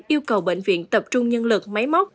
yêu cầu bệnh viện tập trung nhân lực máy móc